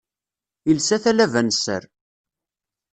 Ilsa talaba n sser.